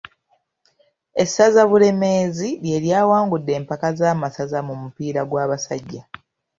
Essaza Bulemeezi lye lyawangudde empaka z'amasaza mu mupiira gw'abasajja.